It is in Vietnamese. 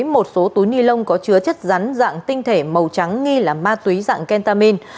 một số túi ni lông có chứa chất rắn dạng tinh thể màu trắng nghi là ma túy dạng kentamin